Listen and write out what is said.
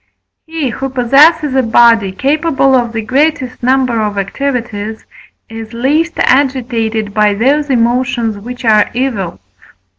He, who possesses a body capable of the greatest number of activities, is least agitated by those emotions which are evil (IV.